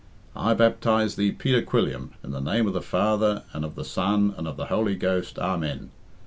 'I baptize thee, Peter Quilliam, in the name of the Father, and of the Son, and of the Holy Ghost, Amen.'